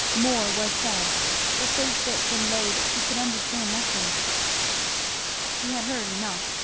More was said, but so thick and low that she could understand nothing. She had heard enough.